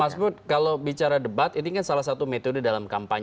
mas bud kalau bicara debat ini kan salah satu metode dalam kampanye